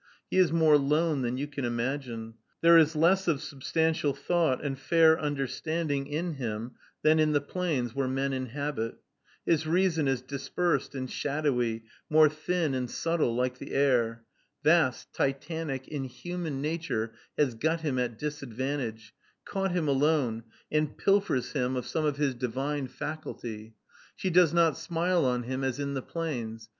He is more lone than you can imagine. There is less of substantial thought and fair understanding in him than in the plains where men inhabit. His reason is dispersed and shadowy, more thin and subtile, like the air. Vast, Titanic, inhuman Nature has got him at disadvantage, caught him alone, and pilfers him of some of his divine faculty. She does not smile on him as in the plains.